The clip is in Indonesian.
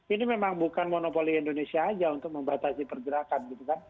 ini memang bukan monopoli indonesia saja untuk membatasi pergerakan